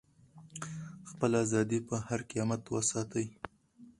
خپله ازادي په هر قیمت وساتئ.